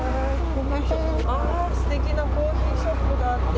素敵なコーヒーショップがあって。